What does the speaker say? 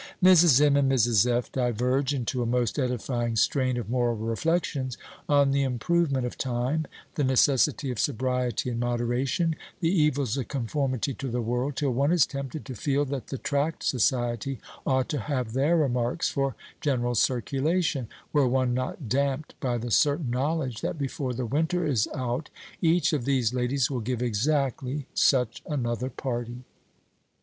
Mrs. M. and Mrs. F. diverge into a most edifying strain of moral reflections on the improvement of time, the necessity of sobriety and moderation, the evils of conformity to the world, till one is tempted to feel that the tract society ought to have their remarks for general circulation, were one not damped by the certain knowledge that before the winter is out each of these ladies will give exactly such another party.